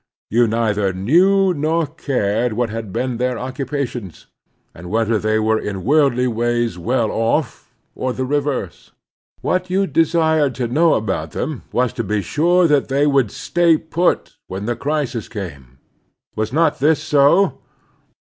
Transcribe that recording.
You neither knew nor cared what had been their occu pations, or whether they were in worldly ways well off or" the reverse. What you de^red to know about them was to be sure that they would "stay put" when the crisis came. Was not this so?